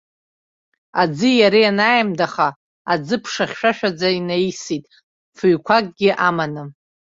Аӡи иареи анааимадаха, аӡыԥша хьшәашәаӡа инаисит, фыҩқәакгьы аманы.